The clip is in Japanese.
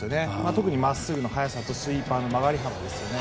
特にまっすぐの速さとスイーパーの曲がり幅ですね。